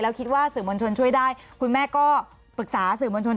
แล้วคิดว่าสื่อมวลชนช่วยได้คุณแม่ก็ปรึกษาสื่อมวลชน